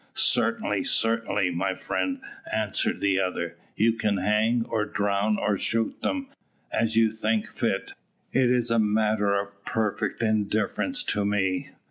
"Certainly, certainly, my friend," answered the other: "you can hang, or drown, or shoot them, as you think fit. It is a matter of perfect indifference to me."